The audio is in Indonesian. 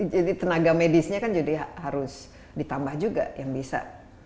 jadi tenaga medisnya kan jadi harus ditambah juga yang bisa